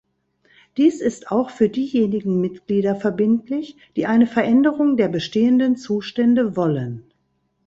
Dies ist auch für diejenigen Mitglieder verbindlich, die eine Veränderung der bestehenden Zustände wollen.